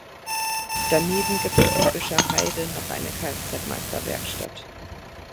Daneben gibt es in Büscherheide noch eine Kfz-Meister-Werkstatt.